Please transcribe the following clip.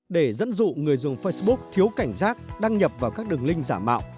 để dẫn dụ người dùng facebook thiếu cảnh giác đăng nhập vào các đường link giả mạo